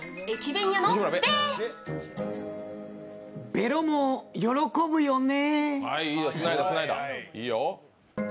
ベロも喜ぶよね。